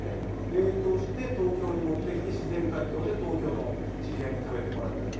冷凍して東京に持ってきて自然解凍で東京の知り合いに食べてもらったりとかですね。